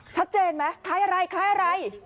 ชัดเจนไหมคล้ายอะไรคล้ายอะไร